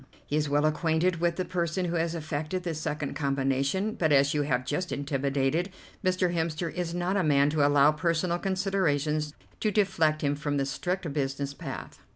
He is well acquainted with the person who has effected the second combination, but, as you have just intimated, Mr. Hemster is not a man to allow personal considerations to deflect him from the strict business path.